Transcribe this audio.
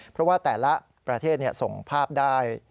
เพราะว่าแต่ละประเทศส่งภาพได้